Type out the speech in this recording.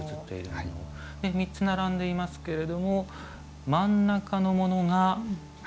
３つ並んでいますけれども真ん中のものが。